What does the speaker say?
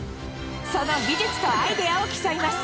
その技術とアイデアを競います。